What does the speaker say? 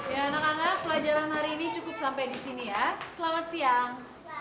ya anak anak pelajaran hari ini cukup sampai di sini ya selamat siang